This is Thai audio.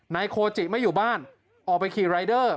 นายโคจิไม่อยู่บ้านออกไปเครีย์ไรเดอร์